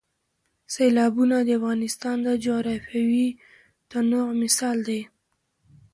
سیلابونه د افغانستان د جغرافیوي تنوع مثال دی.